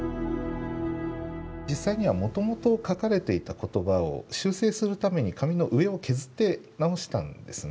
実際にはもともと書かれていた言葉を修正するために紙の上を削って直したんですね。